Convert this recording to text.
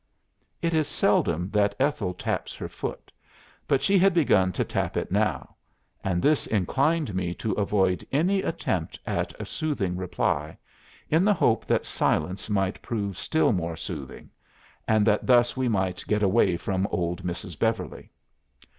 '" "It is seldom that Ethel taps her foot, but she had begun to tap it now; and this inclined me to avoid any attempt at a soothing reply, in the hope that silence might prove still more soothing, and that thus we might get away from old Mrs. Beverly."